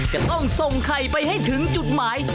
จะต้องส่งไข่ไปให้ถึงจุดหมาย